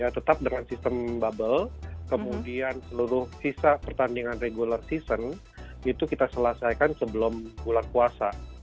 tetap dengan sistem bubble kemudian seluruh sisa pertandingan regular season itu kita selesaikan sebelum bulan puasa